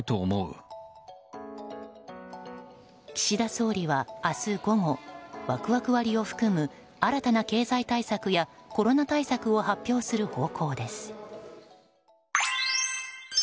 岸田総理は、明日午後ワクワク割を含む新たな経済対策やコロナ対策を発表する方向です。